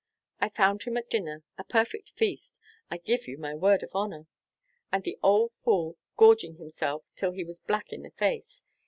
I found him at dinner a perfect feast, I give you my word of honour! and the old fool gorging himself till he was black in the face.